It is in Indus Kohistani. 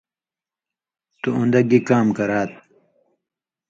تُو اُوندہ گی کام کرات؟